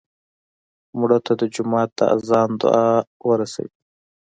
مړه ته د جومات د اذان دعا ورسوې